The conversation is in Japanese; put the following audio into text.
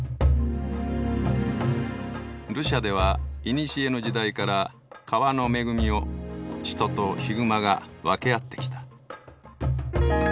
ルシャではいにしえの時代から川の恵みを人とヒグマが分け合ってきた。